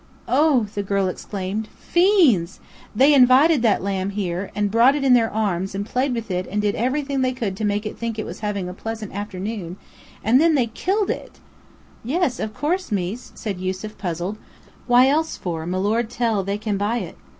"Oh!" the girl exclaimed. "Fiends! They invited that lamb here, and brought it in their arms and played with it and did everything they could to make it think it was having a pleasant afternoon, and then they killed it!" "Of course, yes, mees," said Yusef, puzzled. "Why else for milord tell they can buy it?